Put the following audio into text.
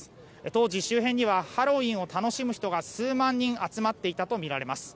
当時、周辺にはハロウィーンを楽しむ人が数万人集まっていたとみられます。